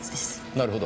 なるほど。